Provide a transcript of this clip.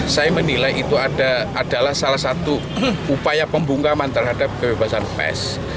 saya menilai itu adalah salah satu upaya pembungkaman terhadap kebebasan pers